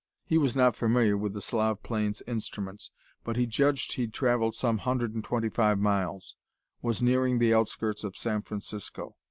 He was not familiar with the Slav plane's instruments, but he judged he'd traveled some hundred and twenty five miles; was nearing the outskirts of San Francisco.